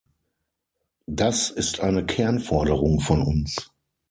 Das ist eine Kernforderung von uns.